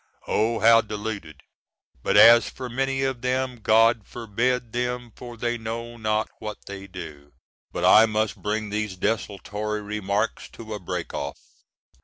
Oh, how deluded! But as for many of them, "God forgive them, for they know not what they do." But I must bring these desultory remarks to a break off.